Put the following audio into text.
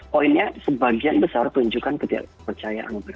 poinnya sebagian besar tunjukkan ketidakpercayaan